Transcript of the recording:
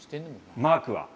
マークは？